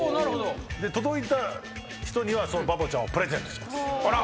届いた人にはそのバボちゃんをプレゼントします。